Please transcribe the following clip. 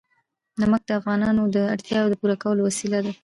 نمک د افغانانو د اړتیاوو د پوره کولو وسیله ده.